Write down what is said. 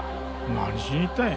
何しに行ったんや？